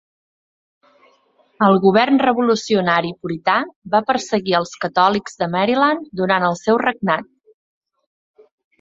El govern revolucionari purità va perseguir els catòlics de Maryland durant el seu regnat.